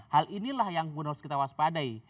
hal inilah yang harus kita waspadai